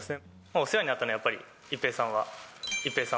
お世話になったのはやっぱり一平さんは。